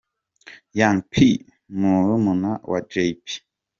Young P; murumuna wa Jay Pac.